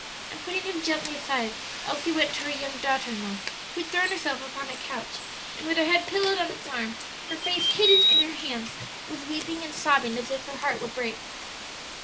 And putting him gently aside, Elsie went to her young daughter in law, who had thrown herself upon a couch, and with her head pillowed on its arm, her face hidden in her hands, was weeping and sobbing as if her heart would break.